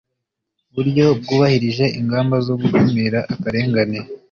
buryo bwubahirije ingamba zo gukumira akarengane